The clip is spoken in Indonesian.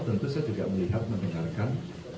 waktu itu saya juga melihat mendengarkan